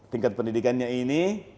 tingkat pendidikannya ini